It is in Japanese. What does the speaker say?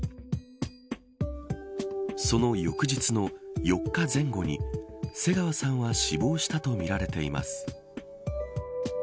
その翌日の４日前後に瀬川さんは死亡したとみられています。